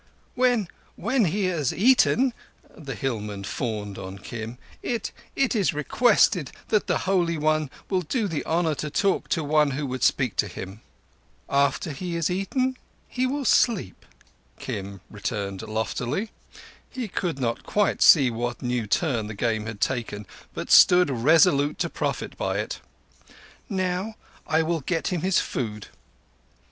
"When—when—he has eaten"—the hillman fawned on Kim—"it—it is requested that the Holy One will do the honour to talk to one who would speak to him." "After he has eaten he will sleep," Kim returned loftily. He could not quite see what new turn the game had taken, but stood resolute to profit by it. "Now I will get him his food."